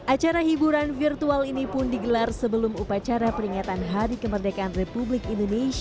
acara hiburan virtual ini pun digelar sebelum upacara peringatan hari kemerdekaan republik indonesia